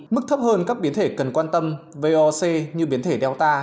mức thấp hơn các biến thể cần quan tâm voc như biến thể data